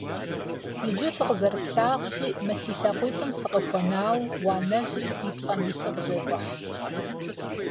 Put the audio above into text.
Иджы сыкъызэрыплъагъущи мы си лъакъуитӀым сыкъыхуэнауэ, уанэжьри си плӀэм илъу къызокӀухь.